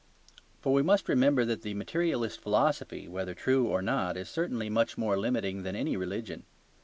For we must remember that the materialist philosophy (whether true or not) is certainly much more limiting than any religion.